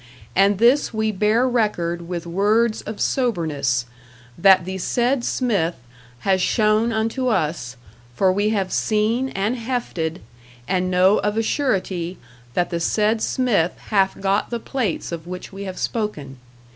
And this we bear record with words of soberness, that the said Smith has shewn unto us, for we have seen and hefted, and know of a surety that the said Smith hath got the plates of which we have spoken.